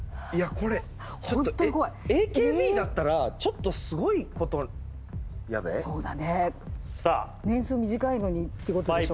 これホントに怖いＡＫＢだったらちょっとすごいことやでそうだねさあ年数短いのにってことでしょう？